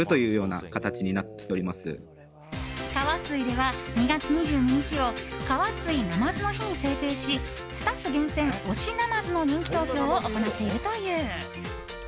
カワスイでは２月２２日をカワスイ「ナマズ」の日に制定しスタッフ厳選、推しナマズの人気投票を行っているという。